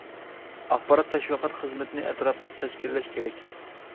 ئاخبارات تەشۋىقات خىزمىتىنى ئەتراپلىق تەشكىللەش كېرەك.